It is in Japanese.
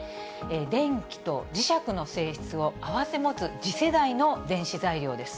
電気と磁石の性質を併せ持つ次世代の電子材料です。